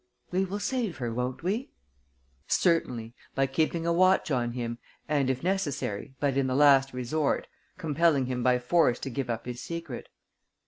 "We will save her, won't we?" "Certainly, by keeping a watch on him and, if necessary, but in the last resort, compelling him by force to give up his secret."